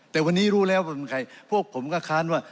แต่วันนี้รู้แล้วว่าเป็นใครพวกผมก็ค้านว่า